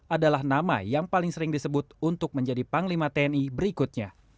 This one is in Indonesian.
adalah nama yang paling sering disebut untuk menjadi panglima tni berikutnya